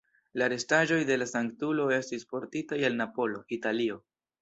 La restaĵoj de la sanktulo estis portitaj el Napolo, Italio.